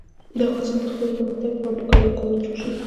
د افغانستان د اقتصادي پرمختګ لپاره پکار ده چې کورونه جوړ شي.